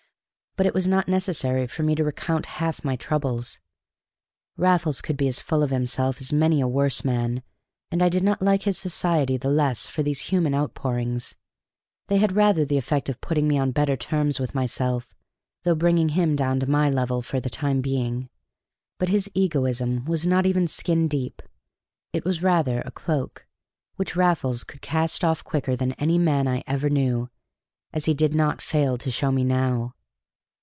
But it was not necessary for me to recount half my troubles. Raffles could be as full of himself as many a worse man, and I did not like his society the less for these human outpourings. They had rather the effect of putting me on better terms with myself, through bringing him down to my level for the time being. But his egoism was not even skin deep; it was rather a cloak, which Raffles could cast off quicker than any man I ever knew, as he did not fail to show me now.